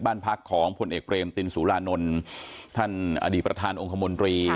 บ้านพักของผลเอกเบรมตินสุรานนท์ท่านอดีตประธานองคมนตรี